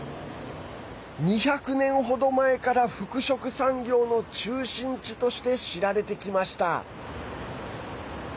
２００年程前から服飾産業の中心地として知られてきました。